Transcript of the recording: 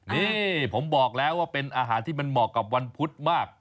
นี่ผมบอกแล้วว่าเป็นอาหารที่มันเหมาะกับวันพุธมาก